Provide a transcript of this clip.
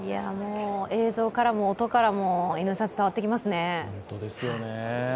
映像からも音からも伝わってきますね。